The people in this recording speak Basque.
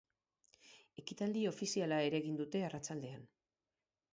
Ekitaldi ofiziala ere egin dute, arratsaldean.